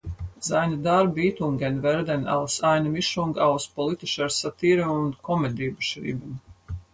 Seine Darbietungen werden als eine Mischung aus politischer Satire und Comedy beschrieben.